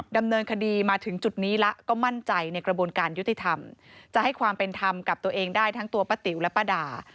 ดำเนินคดีมาถึงจุดนี้แล้วก็มั่นใจในกระบวนการยุติธรรมจะให้ความเป็นธรรมกับตัวเองได้ทั้งตัวป้าติ๋วและป้าดา